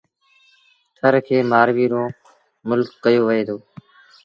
ٿر کي مآرويٚ رو ملڪ ڪهيو وهي دو۔